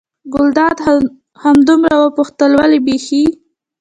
ګلداد همدومره وپوښتل: ولې بېخي.